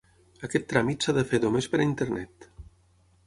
Aquest tràmit s'ha de fer només per Internet.